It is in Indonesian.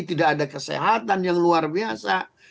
tidak ada kesehatan yang luar biasa